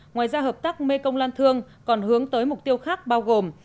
ngoài ra hợp tác mê công lan thương còn hướng tới mục tiêu khác bao gồm